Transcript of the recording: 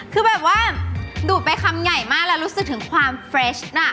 คือแบบว่าดูดไปคำใหญ่มากแล้วรู้สึกถึงความเฟรชน่ะ